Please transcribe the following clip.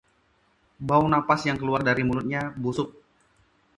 bau napas yang keluar dari mulutnya busuk